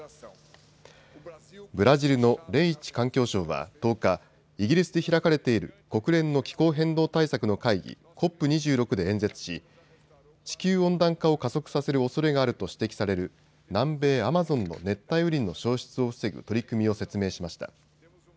ブラジルのレイチ環境相は１０日、イギリスで開かれている国連の気候変動対策の会議、ＣＯＰ２６で演説し地球温暖化を加速させるおそれがあると指摘される南米アマゾンの熱帯雨林の消失を防ぐ取り組みを説明しました。